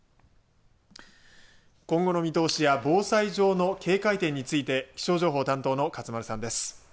今後の見通しや防災上の警戒点について気象情報担当の勝丸さんです。